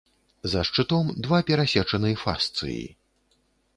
За шчытом два перасечаны фасцыі.